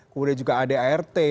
kemudian juga ada art